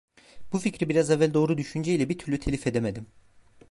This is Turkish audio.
Bu fikri biraz evvel doğru düşünce ile bir türlü telif edemedim.